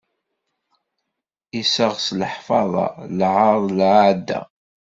Iseɣ s leḥfaḍa, lɛaṛ d lɛadda.